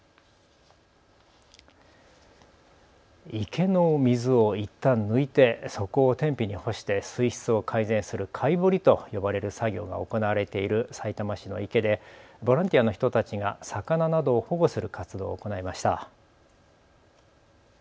池の水をいったん抜いて底を天日に干して水質を改善するかいぼりと呼ばれる作業が行われているさいたま市の池でボランティアの人たちが魚などを保護する活動を行いました。